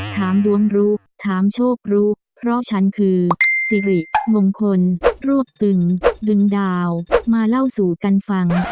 ถามดวงรู้ถามโชครู้เพราะฉันคือสิริมงคลรวบตึงดึงดาวมาเล่าสู่กันฟัง